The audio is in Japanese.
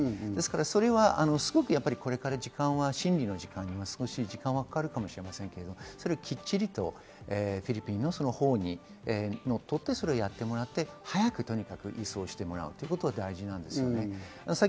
それはすごく、これから時間は審理の時間にも少し時間はかかるかもしれませんが、きっちりフィリピンの法にのっとってそれをやってもらって早く移送してもらうということが大事です。